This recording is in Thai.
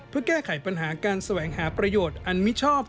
เพื่อแก้ไขปัญหาการแสวงหาประโยชน์อันมิชอบ